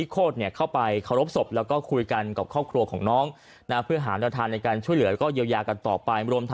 ก็มีในคลิป